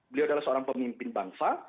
beliau adalah seorang pemimpin bangsa